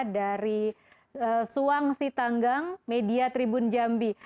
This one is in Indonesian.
dari suang sitanggang media tribun jambi